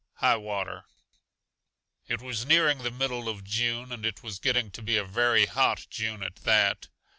HIGH WATER It was nearing the middle of June, and it was getting to be a very hot June at that.